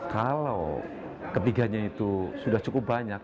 kalau ketiganya itu sudah cukup banyak